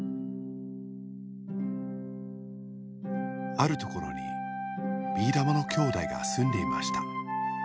あるところにビーだまの兄弟がすんでいました。